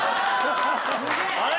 あれ？